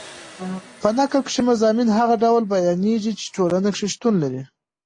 په نکل کښي مضامین هغه ډول بیانېږي، چي ټولنه کښي شتون لري.